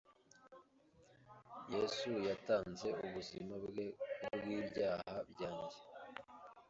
Yesu yatanze ubuzima bwe kubw’ibyaha byanjye,